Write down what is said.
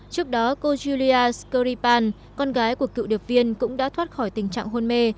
trước đó cô julia skripal con gái của cựu điều viên cũng đã thoát khỏi tình trạng hôn mê